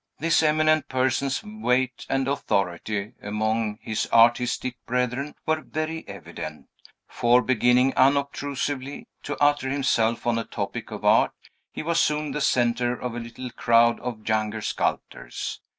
This eminent person's weight and authority among his artistic brethren were very evident; for beginning unobtrusively to utter himself on a topic of art, he was soon the centre of a little crowd of younger sculptors.